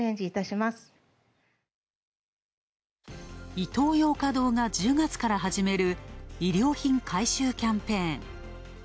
イトーヨーカドーが１０月から始める衣料品回収キャンペーン。